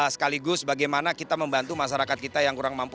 sekaligus bagaimana kita membantu masyarakat kita yang kurang mampu